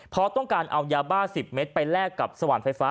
เพราะต้องการเอายาบ้า๑๐เมตรไปแลกกับสว่างไฟฟ้า